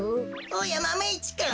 おやマメ１くん。